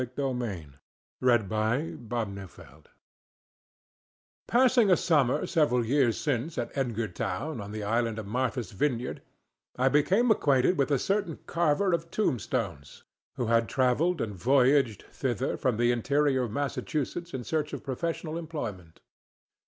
CHIPPINGS WITH A CHISEL Passing a summer several years since at Edgartown, on the island of Martha's Vineyard, I became acquainted with a certain carver of tombstones who had travelled and voyaged thither from the interior of Massachusetts in search of professional employment.